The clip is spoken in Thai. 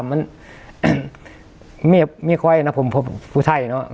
มันไม่ค่อยนะผมอาจรอคท์พูดไทยเนอะ